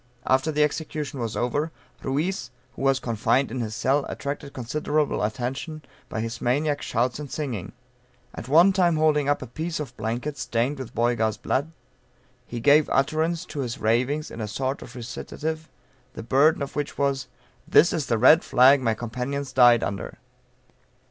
After the execution was over, Ruiz, who was confined in his cell, attracted considerable attention, by his maniac shouts and singing. At one time holding up a piece of blanket, stained with Boyga's blood, he gave utterance to his ravings in a sort of recitative, the burden of which was "This is the red flag my companions died under!"